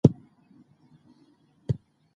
چي د خوراکي او غیر خوراکي توکو دخرڅولو